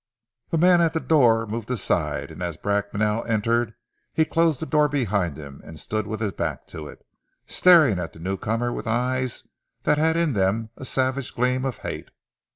The man at the door moved aside, and as Bracknell entered, he closed the door behind him, and stood with his back to it, staring at the new comer with eyes that had in them a savage gleam of hate.